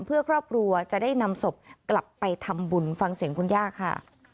เพื่อครอบครัวจะได้นำศพกลับไปทำบุญฟังเสียงคุณย่าค่ะ